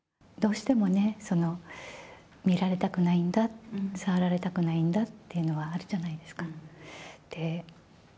どうしてもね、見られたくないんだ、触られたくないんだっていうのはあるじゃないですか。